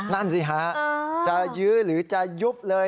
นั่นสิฮะจะยื้อหรือจะยุบเลย